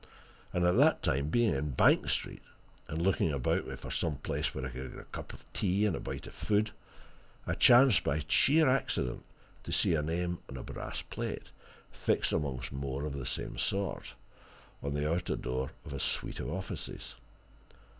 And at that time, being in Bank Street, and looking about me for some place where I could get a cup of tea and a bite of food, I chanced by sheer accident to see a name on a brass plate, fixed amongst more of the same sort, on the outer door of a suite of offices.